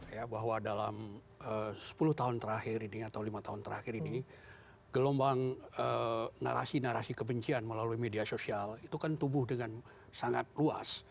ya bahwa dalam sepuluh tahun terakhir ini atau lima tahun terakhir ini gelombang narasi narasi kebencian melalui media sosial itu kan tubuh dengan sangat luas